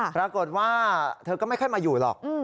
ปรากฏว่าเธอก็ไม่ค่อยมาอยู่หรอก